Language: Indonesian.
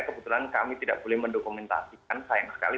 kebetulan kami tidak boleh mendokumentasikan sayang sekali